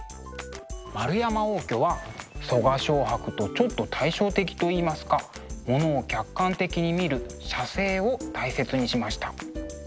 円山応挙は我蕭白とちょっと対照的といいますかものを客観的に見る写生を大切にしました。